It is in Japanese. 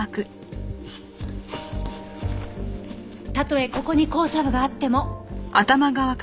たとえここに交叉部があっても。